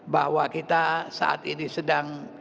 bahwa kita saat ini sedang